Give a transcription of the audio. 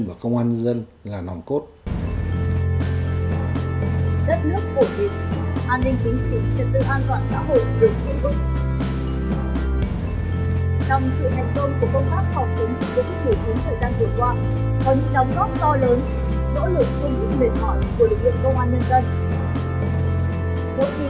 viên đoàn doanh nghiệp